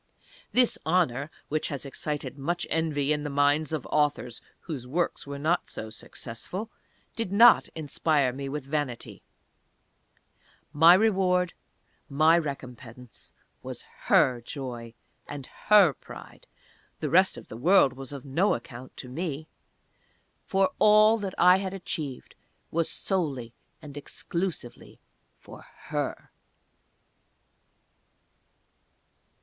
This honour (which has excited much envy in the minds of authors whose works were not so successful), did not inspire me with vanity. My reward my recompense was Her joy, and Her pride: the rest of the world was of no account to me; for all that I had achieved was solely and exclusively for Her.